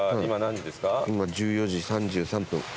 今１４時３３分。